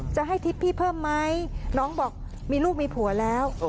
จะให้ทริปพี่เพิ่มไหมน้องบอกมีลูกมีผัวแล้ว